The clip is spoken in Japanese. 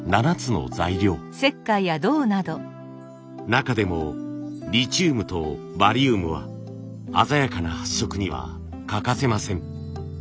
中でもリチウムとバリウムは鮮やかな発色には欠かせません。